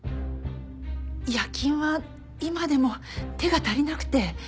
夜勤は今でも手が足りなくて。